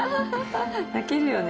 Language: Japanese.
泣けるよね。